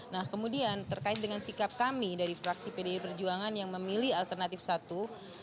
nah kemudian terkait dengan sikap kami dari fraksi pdi perjuangan yang memilih alternatif satu